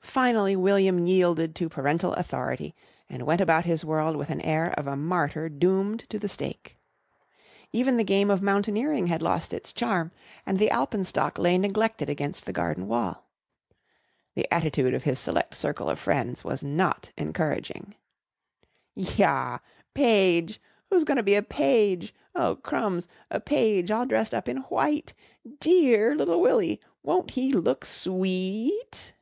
Finally William yielded to parental authority and went about his world with an air of a martyr doomed to the stake. Even the game of mountaineering had lost its charm and the alpenstock lay neglected against the garden wall. The attitude of his select circle of friends was not encouraging. "Yah! Page! Who's goin' to be a page? Oh, crumbs. A page all dressed up in white. Dear little Willie. Won't he look swe e e et?"